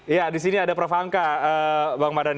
ya di sini ada prof ham kahak bang mardani